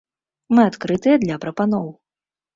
Мы адкрытыя для прапаноў.